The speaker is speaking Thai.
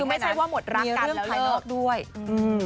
คือไม่ใช่ว่าหมดรักกันแล้วเลยนะ